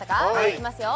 いきますよ